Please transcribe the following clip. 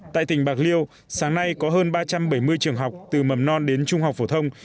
tại tỉnh bạc liêu sáng nay có hơn ba trăm bảy mươi trường học từ mầm non đến trung học phổ thông